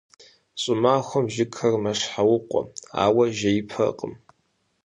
ЩӀымахуэм жыгхэр «мэщхьэукъуэ», ауэ жеипэркъым.